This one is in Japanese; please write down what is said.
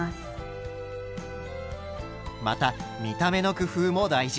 また見た目の工夫も大事。